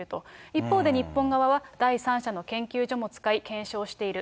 一方で日本側は、第三者の研究所も使い、検証している。